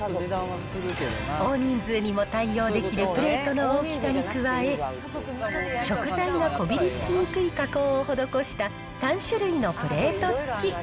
大人数にも対応できるプレートの大きさに加え、食材がこびりつきにくい加工を施した３種類のプレート付き。